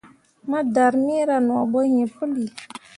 Ma darmeera no bo iŋ puli.